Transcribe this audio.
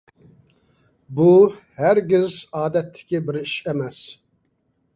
بۇ ھەرگىز ئادەتتىكى بىر ئىش ئەمەس ئىدى.